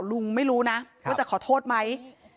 ลุงไม่รู้นะว่าจะขอโทษไหม